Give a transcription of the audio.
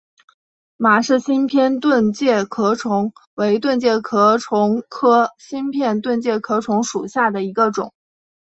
马氏新片盾介壳虫为盾介壳虫科新片盾介壳虫属下的一个种。